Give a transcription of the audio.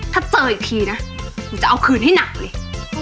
ถ้าเจออีกทีนะหนูจะเอาคืนให้หนักเลย